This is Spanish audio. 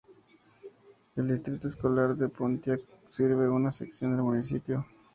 El Distrito Escolar de Pontiac sirve una sección del municipio.